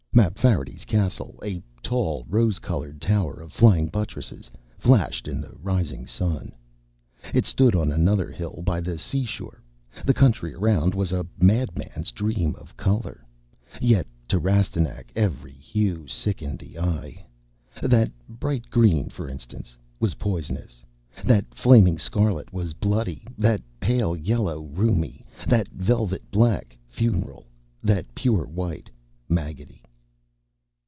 Mapfarity's castle a tall rose colored tower of flying buttresses flashed in the rising sun. It stood on another hill by the sea shore. The country around was a madman's dream of color. Yet to Rastignac every hue sickened the eye. That bright green, for instance, was poisonous; that flaming scarlet was bloody; that pale yellow, rheumy; that velvet black, funeral; that pure white, maggotty.